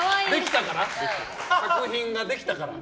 作品ができたから。